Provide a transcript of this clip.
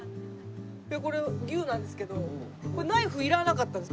これ牛なんですけどナイフいらなかったです。